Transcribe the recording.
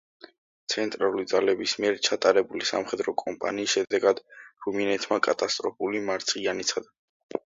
ცენტრალური ძალების მიერ ჩატარებული სამხედრო კომპანიის შედეგად რუმინეთმა კატასტროფული მარცხი განიცადა.